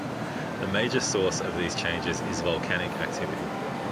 The major source of these changes is volcanic activity.